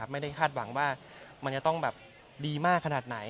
ไม่ได้คาดหวังว่ามันจะต้องแบบดีมากขนาดไหน